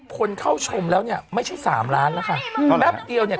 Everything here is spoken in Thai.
คนเข้าชมแล้วเนี่ยไม่ใช่สามล้านแล้วค่ะแป๊บเดียวเนี่ย